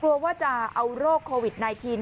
กลัวว่าจะเอาโรคโควิด๑๙